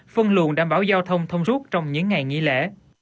phân luồn đảm bảo giao thông thông rút trong những ngày nghỉ lễ